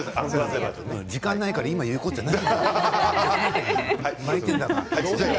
時間ないから今言うことじゃないから。